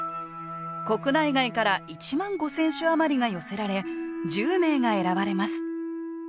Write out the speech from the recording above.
国内外から１万５，０００首余りが寄せられ１０名が選ばれます